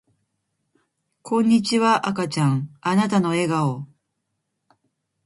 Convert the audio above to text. こんにちは赤ちゃんあなたの笑顔